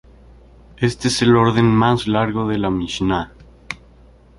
Este es el orden más largo de la Mishná.